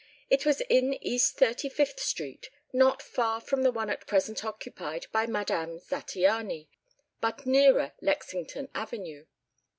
It was in East Thirty fifth Street, not far from the one at present occupied by Madame Zattiany, but nearer Lexington Avenue.